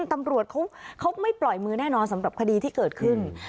ตำรวจเขาไม่ปล่อยมือแน่นอนสำหรับคดีที่เกิดขึ้น